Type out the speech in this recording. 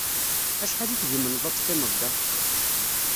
Acḥal i tgemneḍ ad teqqimeḍ da?